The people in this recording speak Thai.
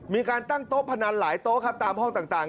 มีการตั้งโต๊ะพนันหลายโต๊ะครับตามห้องต่าง